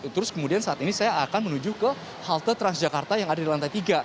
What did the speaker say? terus kemudian saat ini saya akan menuju ke halte transjakarta yang ada di lantai tiga